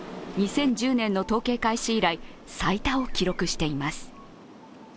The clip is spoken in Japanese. ２０１０年の統計開始以来最多を記録しています。